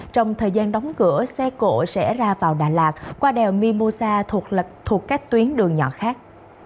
trong thời gian đóng cửa xe cộ sẽ ra vào đà lạt qua đèo mimosa thuộc các tuyến đường nhỏ khác